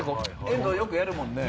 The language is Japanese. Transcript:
遠藤よくやるもんね。